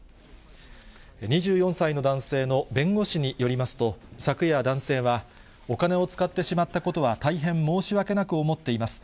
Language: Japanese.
２４歳の男性の弁護士によりますと、昨夜、男性は、お金を使ってしまったことは大変申し訳なく思っています。